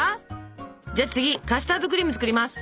じゃあ次カスタードクリーム作ります。